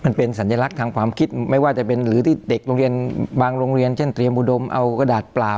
มันเป็นสัญลักษณ์ทางความคิดไม่ว่าจะเป็นหรือที่เด็กโรงเรียนบางโรงเรียนเช่นเตรียมอุดมเอากระดาษเปล่า